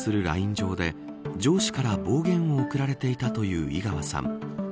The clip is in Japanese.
上で上司から暴言を送られていたという井川さん。